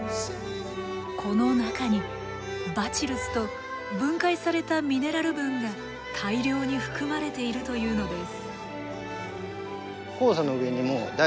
この中にバチルスと分解されたミネラル分が大量に含まれているというのです。